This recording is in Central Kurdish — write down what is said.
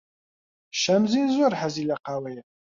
شەمزین زۆر حەزی لە قاوەیە.